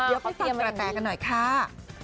เดี๋ยวไปฟังกระแตกันหน่อยค่ะ